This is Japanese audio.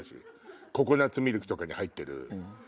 ココナツミルクとかに入ってる。